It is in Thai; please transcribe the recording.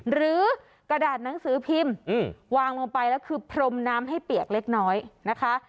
หรือกระดาษหนังสือพิมพ์วางลงไปแล้วคือพรมน้ำให้เปียกเล็กน้อยนะคะ